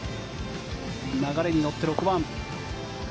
流れに乗って６番。